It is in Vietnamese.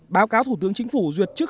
báo cáo thủ tướng chính phủ duyệt